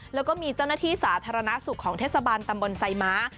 แล้วก็มีเจ้าหน้าที่สาธารณสุขของเทศบาลตำบลไซม้า